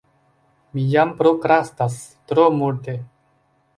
Mi jam prokrastas tro multe